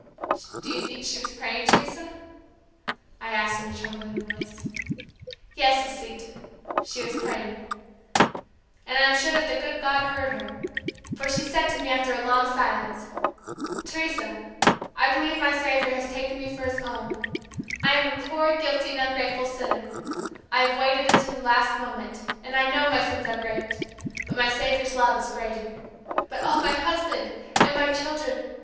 "Do you think she was praying, Teresa?" I asked in a trembling voice. "Yes, Lisita, she was praying. And I am sure that the good God heard her, for she said to me after a long silence, Teresa, I believe my Saviour has taken me for His own I am a poor, guilty, and ungrateful sinner I have waited until the last moment, and I know my sins are great, but my Saviour's love is greater. But oh, my husband! and my children!